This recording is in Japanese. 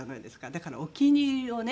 だからお気に入りをね。